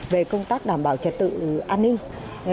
về công tác đảm bảo trật tự an ninh